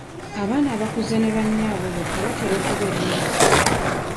Abaana abakuze ne bannyaabwe bokka batera okubeera n'ekisa.